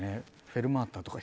フェルマータとか。